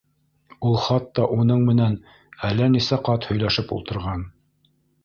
Ул хатта уның менән әллә нисә ҡат һөйләшеп ултырған.